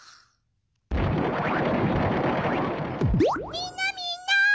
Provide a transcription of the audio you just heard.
みんなみんな。